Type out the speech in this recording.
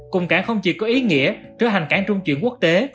cụm cảng không chỉ có ý nghĩa trở thành cảng trung chuyển quốc tế